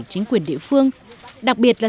chính quyền địa phương đặc biệt là